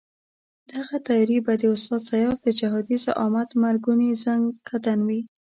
دغه تیاري به د استاد سیاف د جهادي زعامت مرګوني ځنکندن وي.